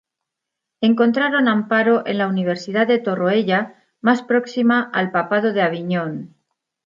Encontraron amparo en la Universidad de Torroella, más próxima al papado de Aviñón.